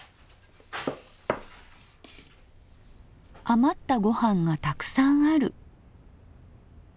余ったご飯がたくさんある。